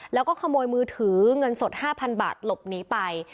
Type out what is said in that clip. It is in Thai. แล้วก็ขโมยมือถือเงินสดห้าพันบาทหลบนี้ไป